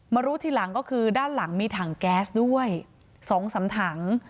รู้ทีหลังก็คือด้านหลังมีถังแก๊สด้วย๒๓ถัง